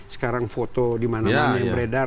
sekarang foto dimana mana yang beredar